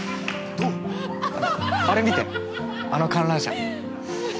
ねっ、あれ見て、あの観覧車。